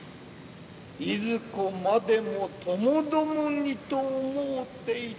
いずこまでもともどもにと思うていたなれ